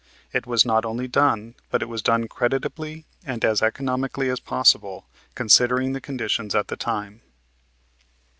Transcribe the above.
It was not only done, but it was done creditably and as economically as possible, considering the conditions at that time.